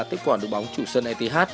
tích quản được bóng chủ sân eth